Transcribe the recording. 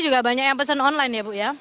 biasanya yang pesen online ya bu ya